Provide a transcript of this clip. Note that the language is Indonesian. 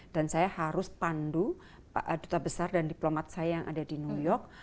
saya harus pandu duta besar dan diplomat saya yang ada di new york